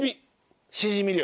しじみ漁！